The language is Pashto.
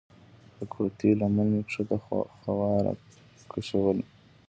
د کورتۍ لمن مې کښته خوا راکښوله.